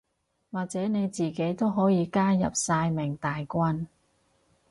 或者你自己都可以加入曬命大軍